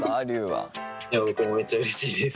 いや僕もめっちゃうれしいです。